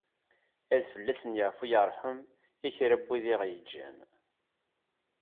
Ad fell-asen yeɛfu yerḥem i kra n wid i aɣ-yeǧǧan.